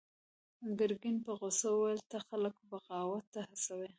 ګرګين په غوسه وويل: ته خلک بغاوت ته هڅوې!